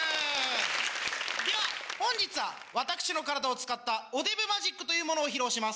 では本日は私の体を使ったおデブマジックというものを披露します。